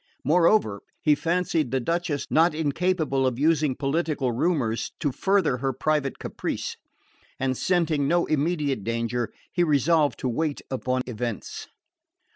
Moreover, he fancied the Duchess not incapable of using political rumours to further her private caprice; and scenting no immediate danger he resolved to wait upon events.